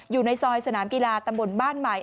อยู่ในซอยสนามกีฬาตำบลบ้านใหม่